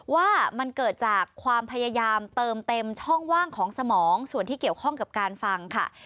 ว่ามันเกิดจากความพยายามเติมเต็มช่องว่างของสมองส่วนที่เกี่ยวข้องกับการฟังค่ะ